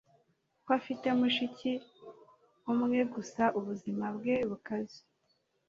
ko afite mushiki umwe gusa ubuzima bwe bukaze